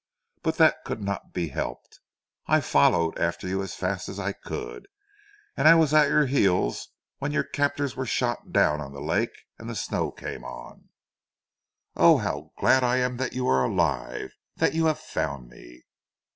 "But that could not be helped. I followed after you as fast as I could, and I was at your heels when your captors were shot down on the lake and the snow came on." "Oh, how glad I am that you are alive! That you have found me."